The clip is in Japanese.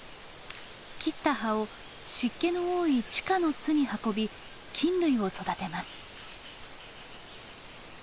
切った葉を湿気の多い地下の巣に運び菌類を育てます。